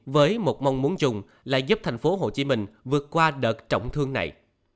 với một mong muốn chung là giúp thành phố hồ chí minh vượt qua đợt trọng thương này